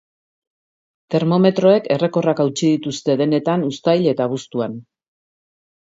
Termometroek errekorrak hautsi dituzte denetan uztail eta abuztuan.